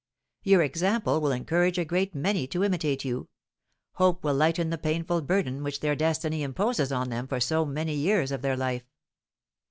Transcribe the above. Your example will encourage a great many to imitate you; hope will lighten the painful burden which their destiny imposes on them for so many years of their life.